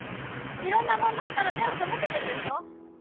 いろんな問題から目を背けてるでしょ！